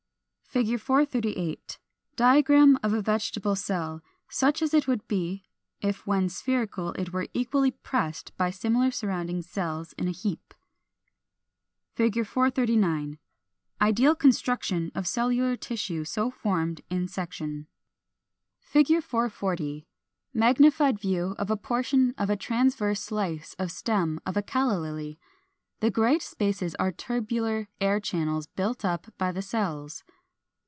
(Fig. 82, 441, 442). [Illustration: Fig. 438. Diagram of a vegetable cell, such as it would be if when spherical it were equally pressed by similar surrounding cells in a heap.] [Illustration: Fig. 439. Ideal construction of cellular tissue so formed, in section.] [Illustration: Fig. 440. Magnified view of a portion of a transverse slice of stem of Calla Lily. The great spaces are tubular air channels built up by the cells.